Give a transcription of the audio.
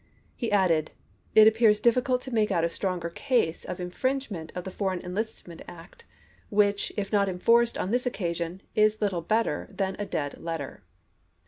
He added, " It appears difficult to make out a stronger case of infringement of the Foreign Enlistment Act, which, if not enforced on this occasion, is little better than a dead letter."